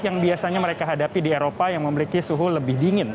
yang biasanya mereka hadapi di eropa yang memiliki suhu lebih dingin